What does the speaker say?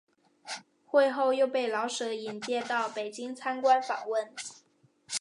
会后又被老舍引介到北京参观访问。